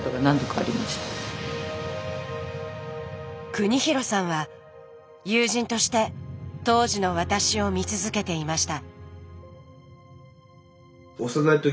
邦博さんは友人として当時の私を見続けていました。